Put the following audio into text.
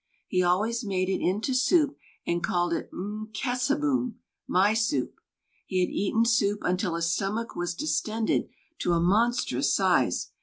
He always made it into soup, and called it, "M'Kessābūm," my soup. He had eaten soup until his stomach was distended to a monstrous size.